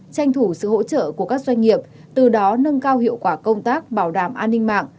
tranh thủ sự hỗ trợ của các doanh nghiệp từ đó nâng cao hiệu quả công tác bảo đảm an ninh mạng